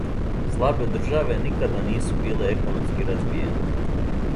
Слабе државе никада нису биле економски развијене.